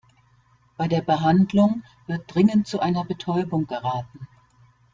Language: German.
Bei der Behandlung wird dringend zu einer Betäubung geraten.